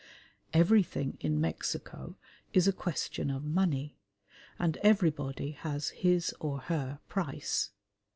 Everything in Mexico is a question of money, and everybody has his or her price.